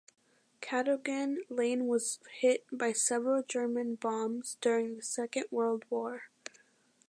Cadogan Lane was hit by several German bombs during the Second World War.